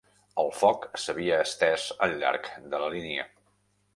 El foc s'havia estès al llarg de la línia